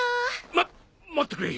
ま待ってくれ。